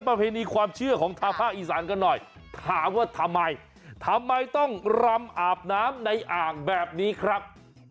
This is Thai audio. ประเพณีความเชื่อของทางภาคอีสานกันหน่อยถามว่าทำไมทำไมต้องรำอาบน้ำในอ่างแบบนี้ครับ